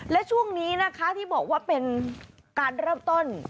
และช่วงนี้นะคะที่บอกว่าเป็นการเริ่มต้น